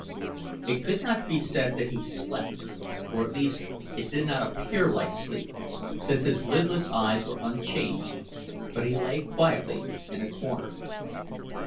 It could not be said that he slept, or at least it did not appear like sleep, since his lidless eyes were unchanged; but he lay quietly in a corner.